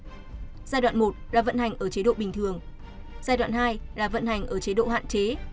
giai đoạn một đã vận hành ở chế độ bình thường giai đoạn hai là vận hành ở chế độ hạn chế